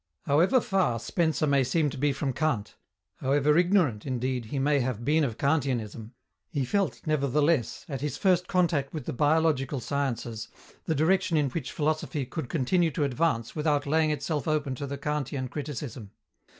However far Spencer may seem to be from Kant, however ignorant, indeed, he may have been of Kantianism, he felt, nevertheless, at his first contact with the biological sciences, the direction in which philosophy could continue to advance without laying itself open to the Kantian criticism.